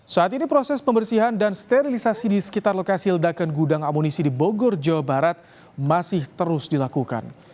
saat ini proses pembersihan dan sterilisasi di sekitar lokasi ledakan gudang amunisi di bogor jawa barat masih terus dilakukan